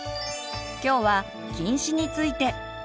今日は「近視」について。